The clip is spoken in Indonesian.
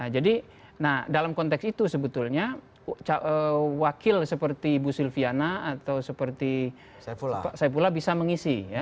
jadi dalam konteks itu sebetulnya wakil seperti ibu silviana atau seperti saifullah bisa mengisi